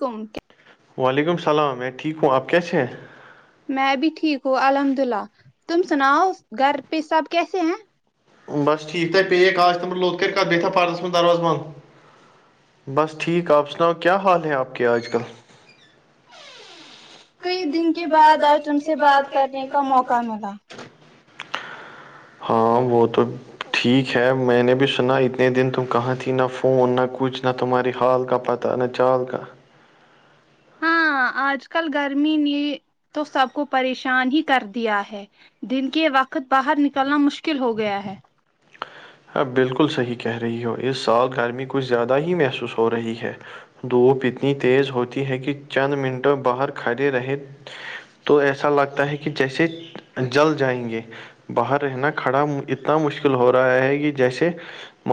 کون وعلیکم السلام میں ٹھیک ہوں آپ کیا ہیں میں بھی ٹھیک ہوں الحمد اللہ تم سناؤ گھر پہ سب کیسے ہیں بس ٹھیک تہ پیا آغج توم لوت کر ب داتا فردس م درواز بند بس ٹھیک آپ سناؤ کیا حال ہے آپ کے آج کل کئی دن کے بعد اور تم سے بات کرنے کا موقع ملا ہاں وہ تو تو ٹھیک ہے میں نے بھی سنا اتنے دن تم کہاں تھی نہ فون نہ کچھ نہ تمہاری حال کا پت تو نا چال کا ہاں آج کل گرمی نے تو سب کو پریشان ہی کر دیا ہے دن کے وقت باہر نکلنا مشکل ہو گیا ہے ہاں بالکل صحیح کہہ رہی ہو اس سال گرمیکچھ زیادہ ہی محسوس ہو رہی ہے دھوپ اتنی تیز ہوتی ہے کہ چند منٹوں باہر کھڑے رہ تو ایسا لگتا ہے کہ جیسے جل جائیں گے باہر رہنا کھڑا اتنا مشکل ہو رہا ہے کہ جیسے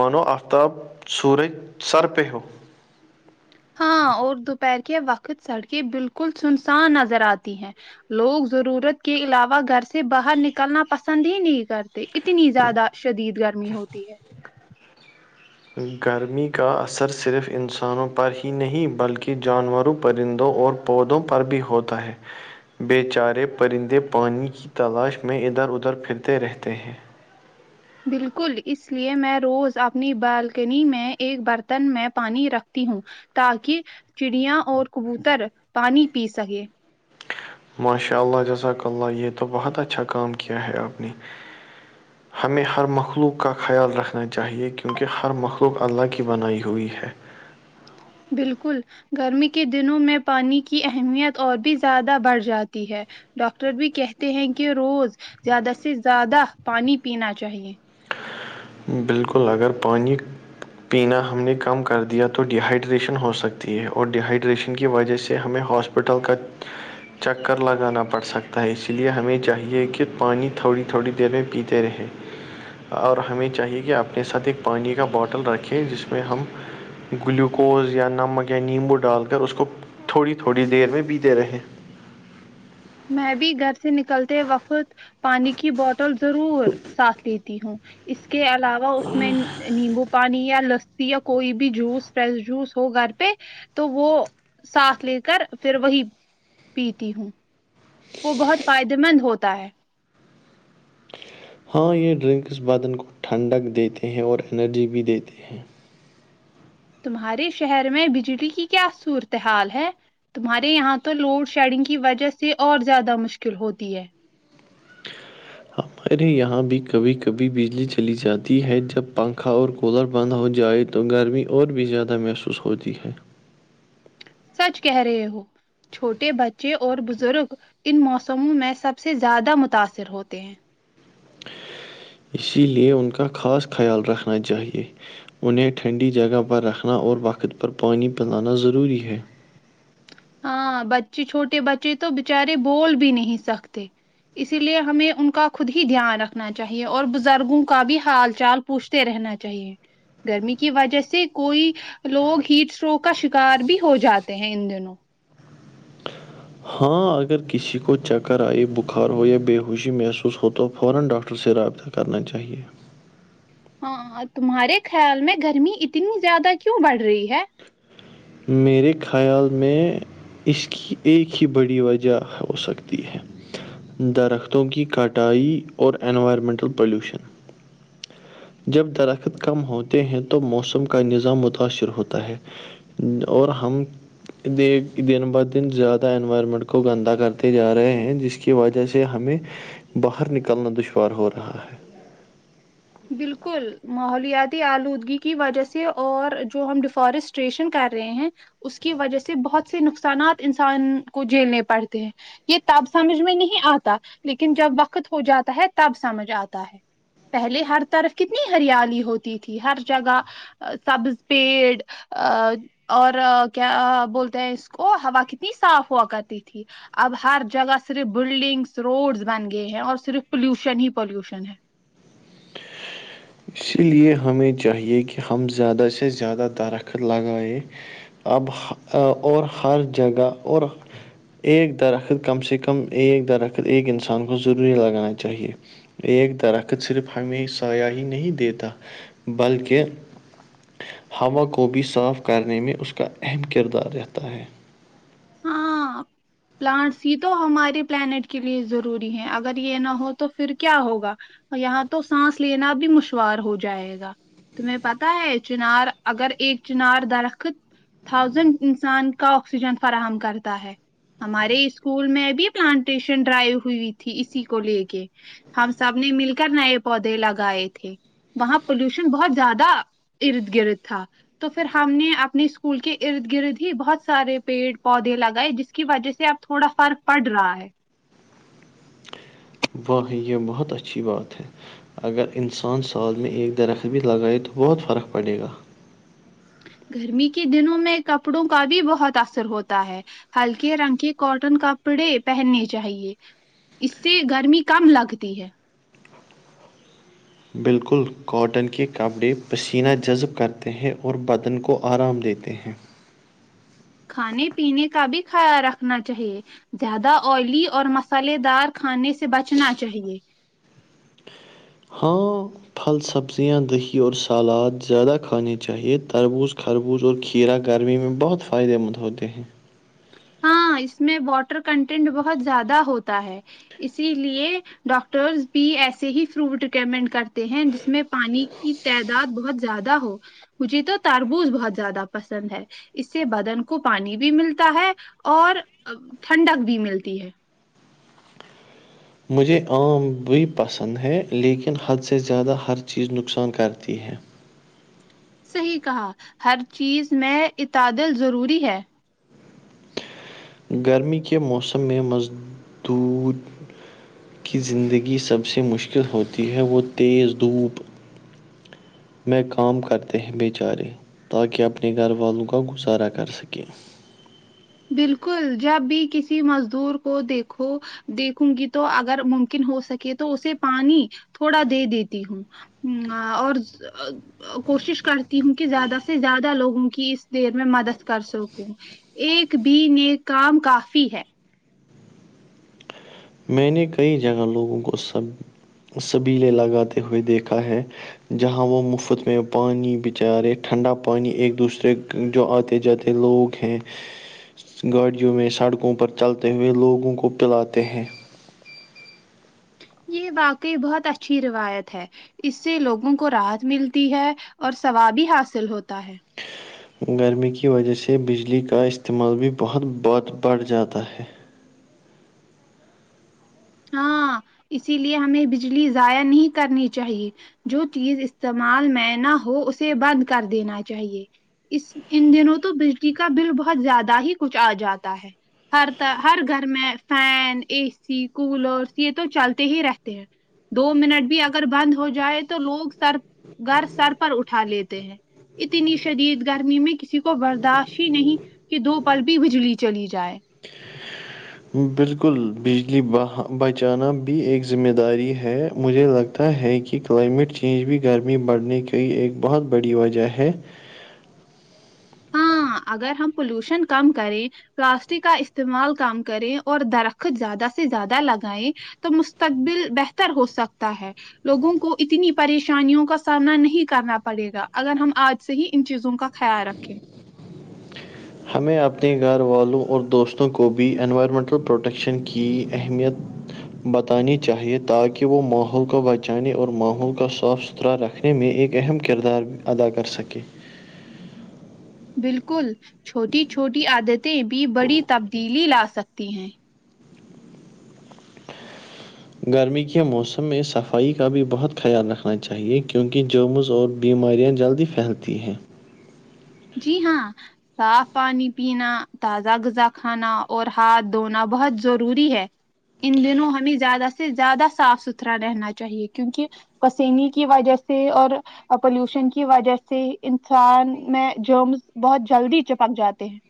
مانو آفتاب سورج سر پہ ہو ہاں اور دوپہر کے وقت سڑکیں بالکل سنسان نظر آتی ہیں لوگ ضرورت کے علاوہ گھر سے باہر نکلنا پسند ہی نہیں کرتے اتنی زیادہ شدید گرمی ہوتی ہے گرمی کا اثر صرف انسانوں پر ہی نہیں بلکہ جانوروں پرندوں اور پودوں پر بھی ہوتا ہے بیے چارے پرندے پانی کی تلاش میں ادھر ادھر پھرتے رہتے ہیں بالکل اس لیے میں روز اپنی بالکنی میں ایک برتن میں پانی رکھتی ہوں تاک چڑیا اور کبوتر پانی پی سکے ماشاء اللہ جزاک اللہ یہ تو بہت اچھا کام کیا ہے آپ نے [unintelligible] ہمیں ہر مخلوق کا خیال رکھنا چاہیے کیونکہ ہر مخلوق اللہ کی بنائی ہوئی ہے بالکل گرمی کے دنوں میں پانی کی اہمیت اور بھی زیادہ بڑھ جاتی ہے ڈاکٹر بھی کہتے ہیں کہ روز زیادہ سے زیادہ پانی پینا چاہیے بالکل اگر پانانی پینا ہم نے کم کر دیا تو ڈیہائیڈریشن ہو سکتی ہے اور ڈیہائیڈریشن کی وجہ سے ہمیں ہاس وٹل کا چکر لگانا پڑ سکتا ہے اس لیے ہمیں چاہیے کہ پانی تھوڑی تھوڑی دیر میں پیتی رہے اور ہمیں چاہیے کہ اپنے ساتھ ایک پانی کا بوٹل رکھیں جس میں ہم گلوکوز یا نمک یا نیمبو ڈال کر اس کو تھوڑی تھوڑی دیر میں بیتے رہیں میں بھی گھر سے نکلتے وقت پانی کی بوٹل ضرور ساتھ لیتی ہوں اس کے علاوہ اس میں نیمبو پانی یا لسی یا کوئی بھی جوس فریش جوس ہو گھر پہ تو وہ ساتھ لے کر پھر وہی پیتی ہوں وہ بہت فائدے مند ہوتا ہے ہاں یہ ڈرنکس بدن کو ٹھنڈک دیتے ہیں اور انرجی بھی دیتے ہیں تمہارے شہر میں بجلی کی کیا صورتحال ہے تمہارے یہاں تو لوڈ شیڈنگ کی وجہ سے اور زیادہ مشکل ہوتی ہے ہمارے یہاں بھی کبھی کبھی بجلی چلی جاتی ہے جب پنکھا اور کولر بند ہو جائے تو گرمی اور بھی زیادہ محسوس ہوتی ہے سچ کہہ رہے وہ چھوٹے بچے اور بزرگ ان موسموں میں سب سے زیادہ متاثر ہوتے ہیں اسی لیے ان کا خاص خیال رکھنا چاہیے انہیں ٹھنڈی جگہ پر رکھنا اور وقت پر پانی پلانا ضروری ہے ہاں بچے چھوٹے بچے تو بچارے بول بھی نہیں سکتے اسی لیے ہمیں ان کا خود ہی دھیان رکھنا چاہیے اور بزرگوں کا بھی حال چال پوچھتے رہنا چاہیے گرمی کی وجہ سے کوئی لوگ ہیٹ اسٹروک کا شکار بھی ہو جاتے ہیں ان دنوں ہاں اگر کسی کو چکر آئی بخار ہو یا بے ہووشی محسوس ہو تو فورا ڈاکٹر سے رابطہ کرنا چاہیے ہاں تمہارے خیال میں گرمی اتنی زیادہ کیوں بڑھ رہی ہے میرے خیال میں اس کی ایک ہی بڑی وجہ ہو سکتی ہے درختوں کی کٹائی اور انوائرمنٹل پولیوشن جب درخت کم ہوتے ہیں تو موسم کا نظام متاثر ہوتا ہے اور ہم دن ب دن زیادہ انوائرمنٹ کو گندا کرتے جا رہے ہیں جس کی کی وجہ سے ہمیں باہر نکلنا دشوار ہو رہا ہے بالکل ماحولیاتی آلودگی کی وجہ سے اور جو ہم ڈیفارسٹریشن کر رہے ہیں اس کی وجہ سے بہت سے نقصانات انسان کو جھیلنے پڑتے ہیں یہ تب سمجھ میں نہیں آتا لیکن جب وقت ہو جاتا ہے تب سمجھ آتا ہے پہلے ہر طرف کتنی ہریالی ہوتی تھی ہر جگہ سبز پیڑ آ اور کیا بولتے ہیں اس کو ہوا کتنی صاف ہوا کرتی تھی اب ہر جگہ صرف بلڈنگس روڈس بن گئے ہیں اور صرف پولوشن ہی پولوشن ہے اسی لیے ہمیں چاہیے کہ ہم زیادہ سے زیادہ درخت لگائیں اب اور ہر جگہ اور ایک درخت کم سے کم ایک درخت ایک انسان کو ضروری لگانا چاہیے ایک درخت صرف ہمیں سیہ ہی نہیں دیتا بلکہ ہوا کو بھی صاف کرنے میں اس کا اہم کردار رہتا ہے ہاں پلانٹس ہی تو ہمارے پلانیٹ کے لیے ضروری ہے اگر یہ نہ ہو تو پھر کیا ہوگا یہاں تو سانس لینا بھی مشوار ہو جائے گا تمہیں پتتا ہے چنار اگر ایک چنار درخت تھاؤزینڈ انسان کا آکسیجن فراہم کرتا ہے ہمارے اسکول میں بھی پلانٹیشن ڈرائیو ہوئی تھی اسی کو لے کے ہم سب نے مل کر نئے پودے لگائے تھے وہاں پولوشن بہت زیادہ ارد گرد تھا تو پھر ہم نے اپنے اسکول کے ارد گرد ہی بہت سارے پیڑ پودے لگائے جس کی وجہ سے اب تھوڑا فرق پڑ رہا ہے واہح یہ بہت اچھی بات ہے اگر انسان سال میں ایک درخت بھی لگائے تو بہت فرق پڑے گا گرمی کے دنوں میں کپڑوں کا بھی بہت اثر ہوتا ہے ہلکے رنگ کے کاٹن کپڑے پہننے چاہیے اس سے گرمی کم لگتی ہے بالکل کاٹن کے کپڑے پسینہ جذب کرتے ہیں اور بدن کو آرام دیتے ہیں کھانے پینے کا بھی خیال رکھنا چاہیے زیادہ آئلی اور مسالے دار کھانے سے بچنا چاہیے ہاں پھل سبزیاں دہی اور سلاد زیادہ کھانے چاہیے تربوز کھ خربوز اور کھیرا گرمی میں بہت فائدے مند ہوتے ہیں ہاں اس میں واٹر کنٹینٹ بہت زیادہ ہوتا ہے اسی لیے ڈاکٹرز بھی ایسے ہی فروٹ ریکمینڈ کرتے ہیں جس میں پانی کی تعداد بہت زیادہ ہو مجھے تو تربوز بہت زیادہ پسند ہے اس سے بدن کو پانی بھی ملتا ہے اور ٹھنڈک بھی ملتی ہے مجھے آم بھی پسند ہے لیکن حد سے زیادہ ہر چیز نقصان کرتی ہے صحیح کہا ہر چیز میں عتادل ضروری ہے گرمی کے موسم میں مزدود کی زندگی سب سے مشکل ہوتی ہے وہ تیز دھوپ میں کام کرتے ہیں بیےچارے تاکہ اپنے گھر والوں کا گزارا کر سکیں بالکل جب بھی کسی مزدور کو دیکھو دیکھوں گی تو اگر ممکن ہو سکے تو اسے پانی تھوڑا دے دیتی ہوں ہ اور کوشش کرتی ہوں کہ زیادہ سے زیادہ لوگوں کی اس دیر میں مدد کر سکوں ایک بھی ن کام کافی ہے میں نے کئی جگہ لوگوں کو سب سبیلے لگاتے ہوئے دیکھا ہے جہاں وہ مفت میں پانی بچارے ٹھنڈا پانی ایک دوسرے جو آتے جاتے لوگ ہیں گاڑیوں میں سڑکوں پر چلتے ہوئے لوگوں کو پلاتے ہیں یہ واقعی بہت اچھی روایت ہے اس سے لوگوں کو راحت ملتی ہے اور ثواب بھی حاصل ہوتا ہے گرمی کی وجہ سے بجلی کا استعمال بھی بہت بت بڑھ جاتا ہے ہاں اسی لیے ہمیں بجلی ضائع نہیں کرنی چاہیے جو چیز استعمال میں نہ ہو اسے بند کر دینا چاہیے اس ان دنوں تو بجلی کا بل بہت زیادہ ہی کچھ آ جاتا ہے ہر ط ہر گھر میں فین اے سی کولرس یہ تو چلتے ہی رہتے ہیں دو منٹ بھی اگر بند ہو جائے تو لوگ سر گھر سر پر اٹھا لیتے ہیں اتنی شدید گرمی میں کسی کو برداشت ہی نہیں کہ دو پل بھی ہی بجلی چلی جائے بالکل بجلی بچانا بھی ایک ذمہ داری ہے مجھے لگ ہے کہ کلائمیٹ چینج بھی گرمی بڑھنے کی ایک بہت بڑی وجہ ہے ہاں اگر ہم پولوشن کم کریں پلاسٹک کا استعمال کام کریں اور درخت زیادہ سے زیادہ لگائیں تو مستقبل بہتر ہو سکتا ہے لوگوں کو اتنی پریشانیوں کا سامنا نہیں کرنا پڑے گا اگر ہم آج سے ہی ان چیزوں کا خیال رکھیں ہمیں اپنے گھر والوں اور دوستوں کو بھی انوائرمنٹل پروٹکشن کی اہمیت بتانی چاہیے تاکہ وہ ماحول کو بچانے اور ماحول کا صاف س ستھرا رکھنے میں ایک اہم کردار ادا کر سکے بالکل چھوٹی چھوٹی عادتیں بھی بڑی تبدیلی لا سکتی ہیں گرمی کے موسم میں صفائی کا بھی بہت خیال رککھنا چاہیے کیونکہ جمز اور بیماریاں جلدی پھیلتی ہے جی ہاں صاف پانی پینا تازہ غذا کھانا اور ہاتھ دھونا بہت ضروری ہے ان دنوں ہمیں زیادہ سے زیادہ صاف ستھرا رہنا چاہیے کیونکہ پسینے کی وجہ سے اور پلیوشن کی وجہ سے انسان میں جومس بہت جلدی چپک جاتے ہیں [inaudible]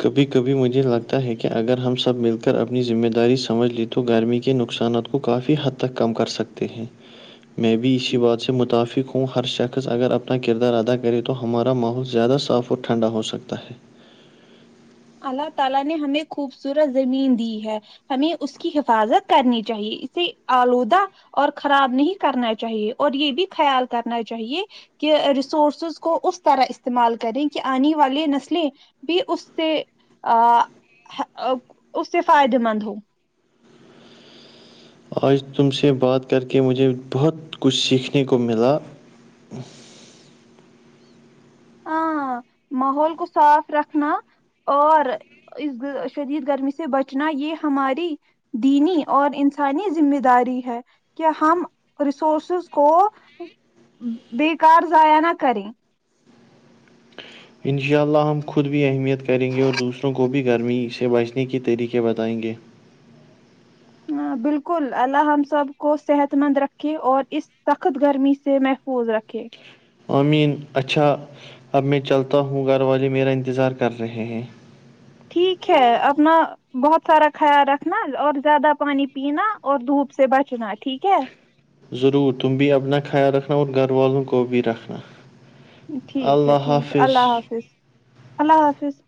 کبھی کبھی مجھے لگتا ہے کہ اگر ہم سب مل کر اپنی ذمہ داری سمجھ لی تو گرمی کے نقصانات کو وہ کافی حد تک کم کر سکتے ہیں میں بھی اسی بات سے متافق ہوں ہر شخص اگر اپنا کردار ادا کرے تو ہمارا ماحول زیادہ صاف وہ ٹھنڈا ہو سکتا ہے اللہ تعالی نے ہمیں خوبصورت زمین دی ہے ہمیں اس کی حفاظت کرنی چاہیے اس سے آلودہ اور خراب نہیں کرنا چاہیے اور یہ بھی خیال کرنا چاہیے کہ ریسورسز کو اس طرح استعمال کریں کہ آنے والی نسلیں بھی اس سے اس سے فائدے مند ہو آج تم سے بات کر کے مجھے بہت کچھ سیکھنے کو ملا ہاں ماحول کو صاف رکھنا اور اس شدید گرمی سے بچنا یہ ہماری دینی اور انسانی ذمہ داری ہے کہ ہم ریسورورسز کو بے کار ضائع نہ کریں ان شاء اللہ ہم خود بھی اہمیت کریں گے اور دوسروں کو بھی گرمی سے بچنے کے طریقے بتائیں گے ہ بالکل اللہ ہم سب کو صحت مند رکھے اور اس سخت گرمی سے محفوظ رکھے امین اچھا اب میں چلتا ہوں گھر والے میرا انتظار کر رہے ہیں ٹھیک ہے اپنا بہت سارا خیال رکھنا اور زیادہ پانی پینا اور دھوپ سے بچنا ٹھیک ہے ضرور تم بھی اپنا خیال رکھنا اور گھر والوں کو بھی رکھنا ٹھیک ہے ٹھیک ہے اللہ حافظ اللہ حافظ